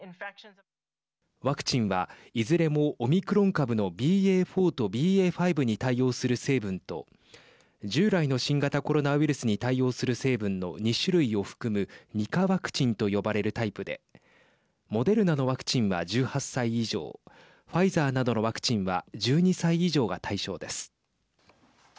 ワクチンはいずれもオミクロン株のＢＡ．４とＢＡ．５に対応する成分と従来の新型コロナウイルスに対応する成分の２種類を含む２価ワクチンと呼ばれるタイプでモデルナのワクチンは１８歳以上ファイザーなどのワクチンは１２歳以上が対象です。